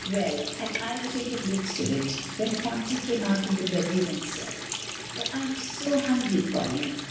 Well, and I was in the midst of it, when Phronsie came out of the bedroom and said, 'Oh! I am so hungry, Polly.